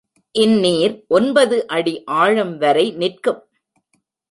இந்நீர் ஒன்பது அடி ஆழம் வரை நிற்கும்.